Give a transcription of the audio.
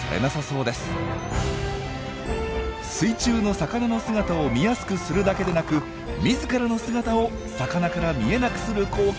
水中の魚の姿を見やすくするだけでなく自らの姿を魚から見えなくする効果まであったとは！